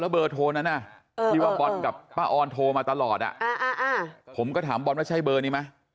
เบอร์โทรนั้นที่ว่าบอลกับป้าออนโทรมาตลอดผมก็ถามบอลว่าใช่เบอร์นี้ไหม